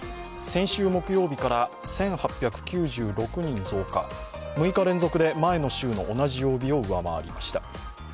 先週木曜日から１８９６人増加６日連続で前の週の同じ曜日を上回りました。